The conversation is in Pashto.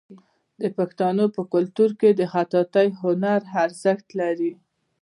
د پښتنو په کلتور کې د خطاطۍ هنر ارزښت لري.